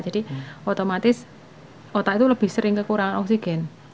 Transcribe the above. jadi otomatis otak itu lebih sering kekurangan oksigen